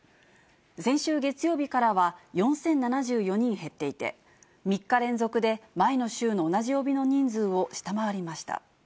先週月曜日からは、４０７４人減っていて、３日連続で前の週の同じ曜日の人数を下回りました。